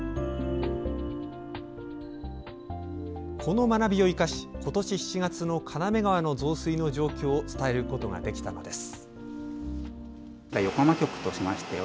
この学びを生かし今年７月の金目川の増水の状況を伝えることができたのです。